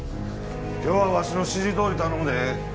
今日はわしの指示どおり頼むで。